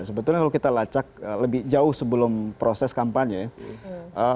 sebetulnya kalau kita lacak lebih jauh sebelum proses kampanye ya